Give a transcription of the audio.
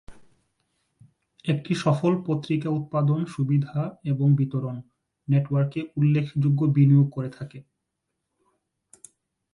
একটি সফল পত্রিকা উৎপাদন সুবিধা এবং বিতরণ, নেটওয়ার্কে উল্লেখযোগ্য বিনিয়োগ করে থাকে।